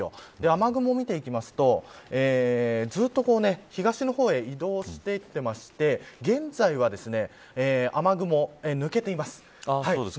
雨雲を見ていくとずっと東の方へ移動していっていまして現在は雨雲、抜けています。